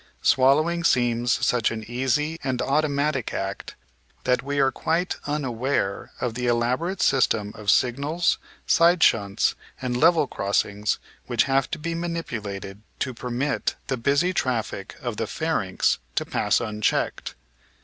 "Swallowing seems such an easy and automatic act that we are quite unaware of the elaborate system of signals, side shunts, and level crossings which have to be manipulated to permit the busy traffic of the 324 The Outline of Science pharynx to pass unchecked.'